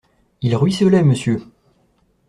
Il ruisselait, monsieur!